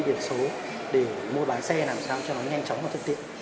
việc số để mua bán xe làm sao cho nó nhanh chóng và thật tiện